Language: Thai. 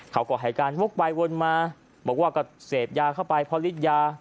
เขาก็ให้การวกไปวนมาบอกว่าก็เสพยาเข้าไปพอฤทธิ์ยา